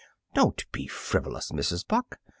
"Don't be frivolous, Mrs. Buck.